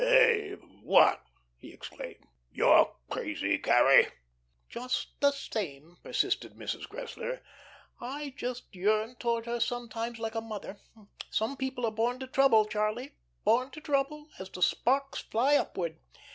"Hey what!" he exclaimed. "You're crazy, Carrie!" "Just the same," persisted Mrs. Cressler, "I just yearn towards her sometimes like a mother. Some people are born to trouble, Charlie; born to trouble, as the sparks fly upward.